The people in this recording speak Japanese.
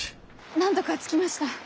なんとか着きました。